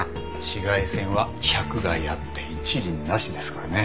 紫外線は百害あって一利なしですからね。